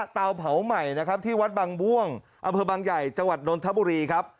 เตาเผาใหม่นะครับที่วัดบางม่วงอำเภอบางใหญ่จังหวัดนนทบุรีครับ